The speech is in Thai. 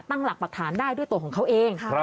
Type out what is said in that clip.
ตั้งหลักปรักฐานได้ด้วยตัวของเขาเอง